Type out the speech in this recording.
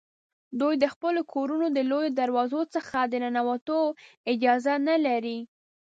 دوی د خپلو کورونو له لویو دروازو څخه د ننوتو اجازه نه لري.